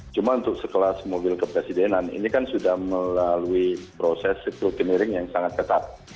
cuma untuk sekelas mobil kepresidenan ini kan sudah melalui proses rekrutineering yang sangat ketat